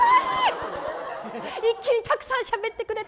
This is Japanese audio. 一気にたくさんしゃべってくれた。